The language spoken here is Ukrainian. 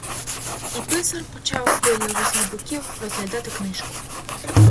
І писар почав пильно з усіх боків розглядати книжку.